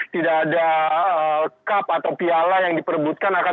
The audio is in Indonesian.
tidak ada cup atau piala yang diperebutkan